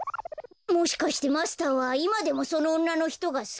もしかしてマスターはいまでもそのおんなのひとがすきなの？